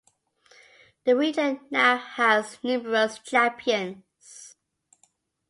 The region now has numerous champions.